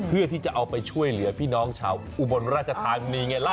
เพื่อที่จะเอาไปช่วยเหลือพี่น้องชาวอุบลราชธานีไงล่ะ